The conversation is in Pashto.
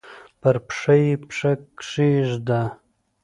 پر پښه یې پښه کښېږده!